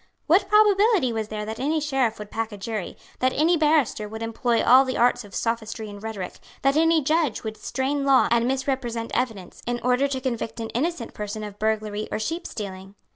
What probability was there that any sheriff would pack a jury, that any barrister would employ all the arts of sophistry and rhetoric, that any judge would strain law and misrepresent evidence, in order to convict an innocent person of burglary or sheep stealing?